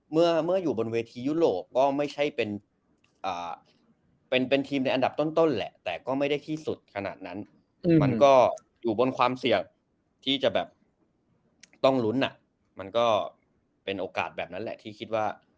เมื่ออยู่บนเวทียุโรปก็ไม่ใช่เป็นทีมในอันดับต้นแหละแต่ก็ไม่ได้ที่สุดขนาดนั้นมันก็อยู่บนความเสี่ยงที่จะแบบต้องลุ้นมันก็เป็นโอกาสแบบนั้นแหละที่คิดว่า